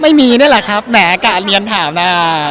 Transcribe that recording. ไม่มีนี่แหละครับแหมกะเนียนถามน่ะ